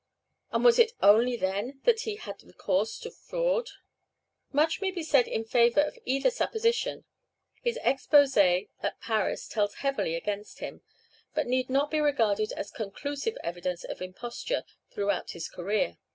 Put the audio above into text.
and was it only then that he had recourse to fraud? Much may be said in favor of either supposition. His exposé at Paris tells heavily against him, but need not be regarded as conclusive evidence of imposture throughout his career.